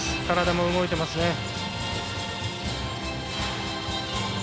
体も動いていますね。